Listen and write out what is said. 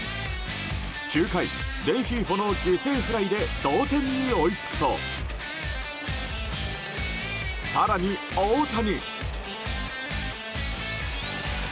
９回レンヒーフォの犠牲フライで同点に追いつくと更に、大谷。